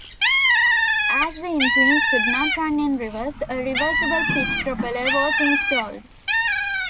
As the engines could not run in reverse, a reversible-pitch propeller was installed.